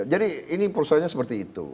jadi ini persoalnya seperti itu